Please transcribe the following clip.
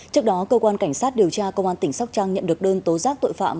trước đó cơ quan cảnh sát điều tra công an tỉnh sóc trăng nhận được đơn tố giác tội phạm